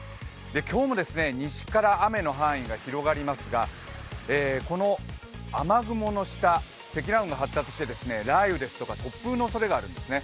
今日も西から雨の範囲が広がりますがこの雨雲の下、積乱雲が発達して雷雨、突風のおそれがあるんですね。